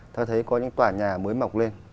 tôi thấy có những tòa nhà mới mọc lên